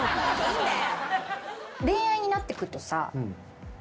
恋愛になってくとさ。